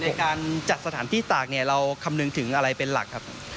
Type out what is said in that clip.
ในการจัดสถานที่ตากเนี่ยเราคำนึงถึงอะไรเป็นหลักครับ